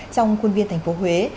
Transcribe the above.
trong khuôn viên thành phố huế